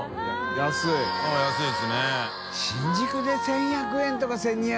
安いですね。